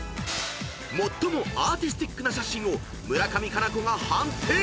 ［最もアーティスティックな写真を村上佳菜子が判定］